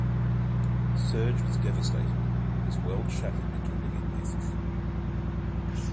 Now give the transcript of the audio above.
Serj was devastated, his world shattered into a million pieces.